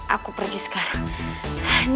aku pergi sekarang